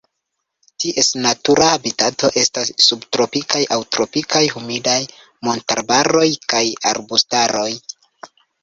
Ties natura habitato estas subtropikaj aŭ tropikaj humidaj montararbaroj kaj arbustaroj.